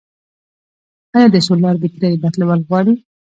آیا د سولر بیترۍ بدلول غواړي؟